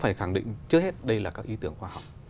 phải khẳng định trước hết đây là các ý tưởng khoa học